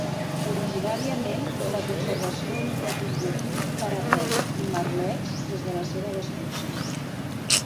Originàriament la conservació hauria tingut un parapet i merlets, des de la seva destrucció.